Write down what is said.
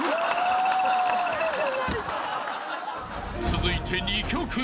［続いて２曲目］